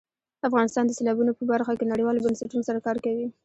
افغانستان د سیلابونه په برخه کې نړیوالو بنسټونو سره کار کوي.